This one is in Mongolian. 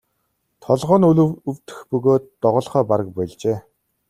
Толгой нь үл өвдөх бөгөөд доголохоо бараг больжээ.